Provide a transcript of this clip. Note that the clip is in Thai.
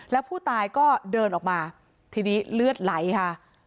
แล้วผู้ตายก็เดินออกมาทีนี้เลือดไหลค่ะ